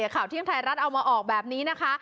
ข่าวเที่ยงไทยรัฐเอามาออกแบบนี้นะคะ